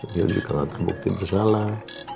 dia juga terbukti bersalah